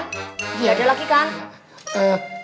gak ada lagi kan